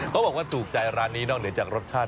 บอกว่าถูกใจร้านนี้นอกเหนือจากรสชาติ